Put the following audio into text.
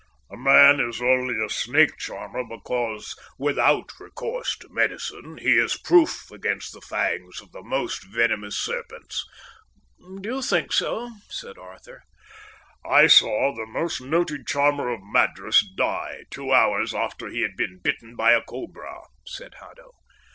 "A man is only a snake charmer because, without recourse to medicine, he is proof against the fangs of the most venomous serpents." "Do you think so?" said Arthur. "I saw the most noted charmer of Madras die two hours after he had been bitten by a cobra," said Haddo.